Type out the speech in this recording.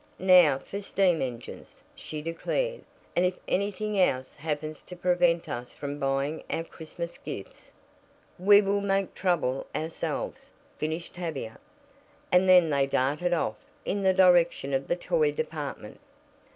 "Now for steam engines," she declared, "and if anything else happens to prevent us from buying our Christmas gifts " "We will make trouble ourselves," finished Tavia, and then they darted off in the direction of the toy department.